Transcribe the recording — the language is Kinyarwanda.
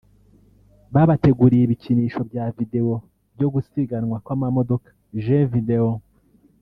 babateguriye ibikinisho bya videwo byo gusiganwa kw’amamodoka ( Jeux Video)